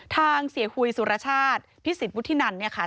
ทางเสียหุยสุรชาติพิสิทธิวุฒินันเนี่ยค่ะ